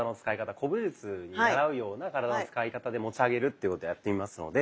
古武術にならうような体の使い方で持ち上げるっていうことをやってみますので。